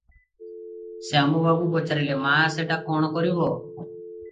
ଶ୍ୟାମବାବୁ ପଚାରିଲେ- ମା, ସେଟା କଣ କରିବ?"